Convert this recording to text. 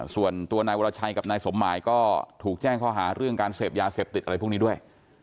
ส่วนตัวนายวรชัยกับนายสมหมายก็ถูกแจ้งข้อหาเรื่องการเสพยาเสพติดอะไรพวกนี้ด้วย